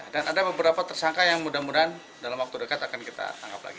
dan ada beberapa tersangka yang mudah mudahan dalam waktu dekat akan kita tangkap lagi